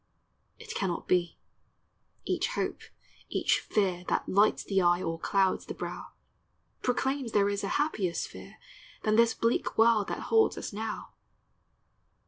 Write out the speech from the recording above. It cannot be, — each hope, each fear That lights the eye or clouds the brow, Proclaims there is a happier sphere Than this bleak world that holds us now.